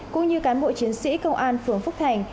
cũng như cán bộ chiến sĩ công an phường phúc thành